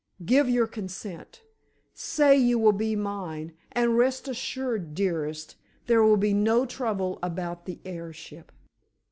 Give your consent; say you will be mine, and rest assured, dearest, there will be no trouble about the 'heirship.